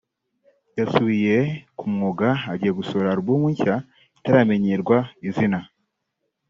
yasubiye ku mwuga agiye gusohora Alubum nshya itaramenyerwa izina